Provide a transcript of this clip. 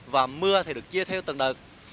và mưa thì được chia theo tầng đợt